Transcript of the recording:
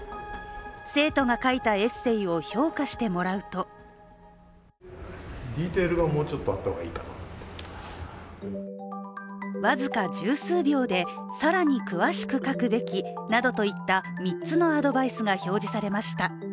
生徒が書いたエッセーを評価してもらうと僅か十数秒で更に詳しく書くべきなどといった３つのアドバイスが表示されました。